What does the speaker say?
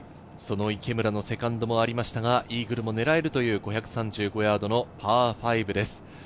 池村のセカンドもありましたが、イーグルも狙えるという５３５ヤードのパー５です。